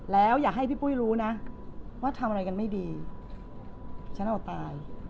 แล้วอย่าให้พี่ปุ้ยรู้นะว่าทำอะไรกันไม่ดีฉันเอาตาย